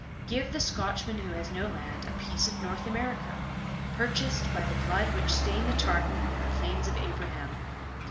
Give the Scotchman who has no land a piece of North America, purchased by the blood which stained the tartan on the Plains of Abraham.